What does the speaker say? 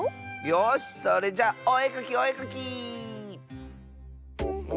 よしそれじゃおえかきおえかき！